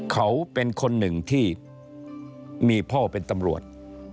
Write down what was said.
เขาเป็นคนหนึ่งที่มีพ่อเป็นตำรวจ